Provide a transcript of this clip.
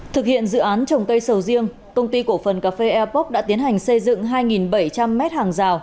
thực hiện dự án trồng cây sầu riêng công ty cổ phần cà phê eapok đã tiến hành xây dựng hai bảy trăm linh m hàng rào